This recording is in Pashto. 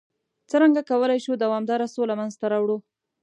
څرنګه کولای شو دوامداره سوله منځته راوړ؟